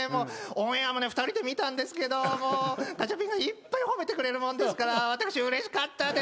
オンエアもね２人で見たんですけどガチャピンがいっぱい褒めてくれるもんですから私うれしかったです。